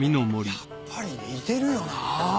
やっぱり似てるよな。